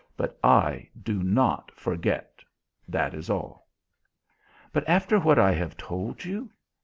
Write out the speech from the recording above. "But I do not forget, that is all." "But after what I have told you.